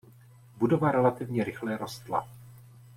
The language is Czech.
Budova relativně rychle rostla.